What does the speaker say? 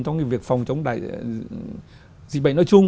trong việc phòng chống dịch bệnh nội chung